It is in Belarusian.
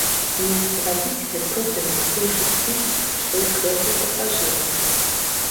Месца вадзіцеля зроблена ў тым жа стылі, што і крэслы пасажыраў.